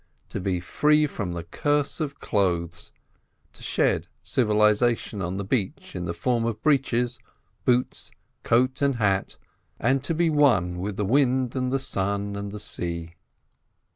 To be free from the curse of clothes, to shed civilisation on the beach in the form of breeches, boots, coat, and hat, and to be one with the wind and the sun and the sea.